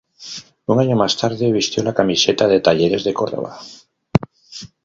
Un año más tarde vistió la camiseta de Talleres de Córdoba.